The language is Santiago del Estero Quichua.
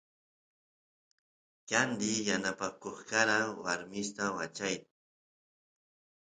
candi yanapakoq karawarmista wachay